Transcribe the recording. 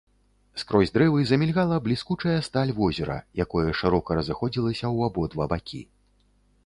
Скрозь дрэвы замільгала бліскучая сталь возера, якое шырока разыходзілася ў абодва бакі.